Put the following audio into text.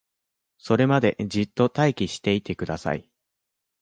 それまでじっと待機していてください